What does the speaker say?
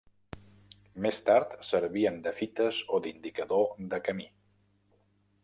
Més tard servien de fites o d'indicador de camí.